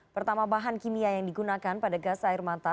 pertama bahan kimia yang digunakan pada gas air mata